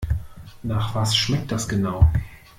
Nach was schmeckt das genau?